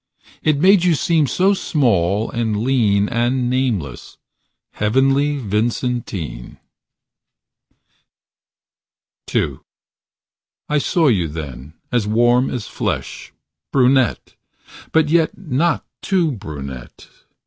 It made you seem so small and lean And nameless. Heavenly Vincentine . II I saw you then, as warm as flesh. Brunette , 5 But yet not too brunette.